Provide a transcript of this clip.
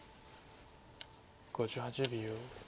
５８秒。